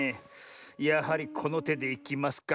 やはりこのてでいきますか。